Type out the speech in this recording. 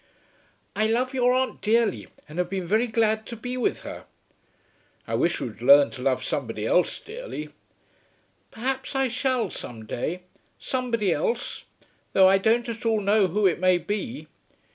"I love your aunt dearly and have been very glad to be with her." "I wish you would learn to love somebody else dearly." "Perhaps I shall, some day, somebody else; though I don't at all know who it may be."